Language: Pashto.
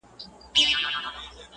جهاني د هغي شپې وېش دي را پرېښود-